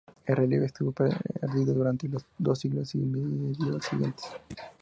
El relieve estuvo perdido durante los dos siglos y medio siguientes.